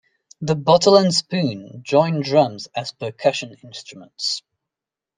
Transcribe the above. The bottle-and-spoon joined drums as percussion instruments.